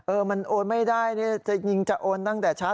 เออมันโอนไม่ได้ยิงจะโอนตั้งแต่เช้า